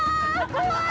怖い！